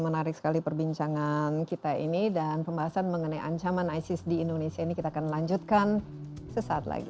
menarik sekali perbincangan kita ini dan pembahasan mengenai ancaman isis di indonesia ini kita akan lanjutkan sesaat lagi